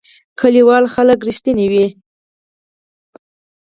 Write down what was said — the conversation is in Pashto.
کلیوال خلک رښتونی وی